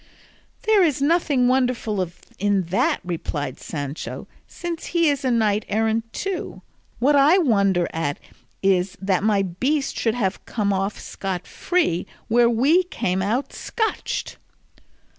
"There is nothing wonderful in that," replied Sancho, "since he is a knight errant too; what I wonder at is that my beast should have come off scot free where we come out scotched."